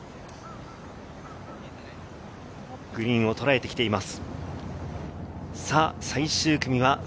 グリーンをとらえてきています。